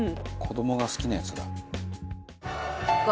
子どもが好きなやつだ。